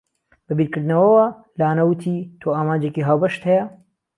بە بیرکردنەوەوە لانە وتی، تۆ ئامانجێکی هاوبەشت هەیە.